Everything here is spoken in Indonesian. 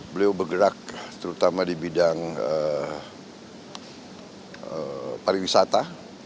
beliau bergerak terutama di bidang pariwisata